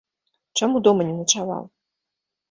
Чаму дома не начаваў?